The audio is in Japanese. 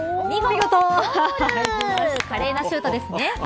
華麗なシュートですね。